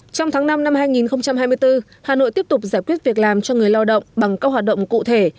trong tháng năm năm hai nghìn hai mươi bốn hà nội tiếp tục giải quyết việc làm cho người lao động bằng các hoạt động cụ thể